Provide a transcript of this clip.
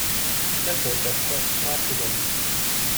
Ne folytassa, már tudom.